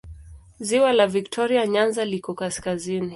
Ziwa la Viktoria Nyanza liko kaskazini.